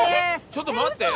ちょっと待って。